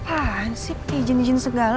apaan sih pak jenis jenis segala